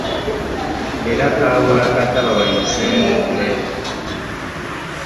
Era kaabula kata babayuzeemu obulere